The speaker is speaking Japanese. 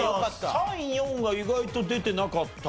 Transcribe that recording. ３４が意外と出てなかった。